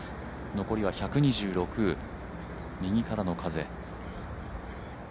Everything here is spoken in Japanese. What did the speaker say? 残りは１２６、右からの風。